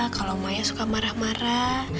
kalau maya suka marah marah